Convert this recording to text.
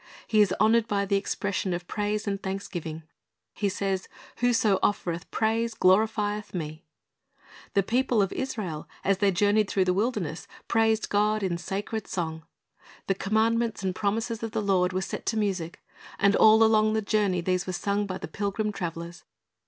He is honored by the expression of praise and thanksgiving. He says, "Whoso offereth praise glorifieth Me."^ The people of Israel, as they journeyed through the wilderness, praised God in sacred song. The iPs. 50:23 TJi c L o r d 's l^i ne y ar d 299 commandments and promises of the Lord were set to music, and all along the journey these were sung by the pilgrim travelers.